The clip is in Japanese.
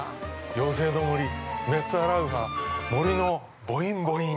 ◆妖精の森メッツァラウハ森のボインボイン！！